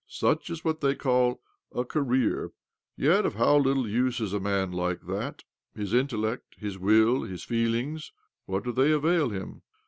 Such is what they call ' a career ' 1 Yjet of how little use is a man like that 1 His intellect, his will, his feelings— what doi they avail him?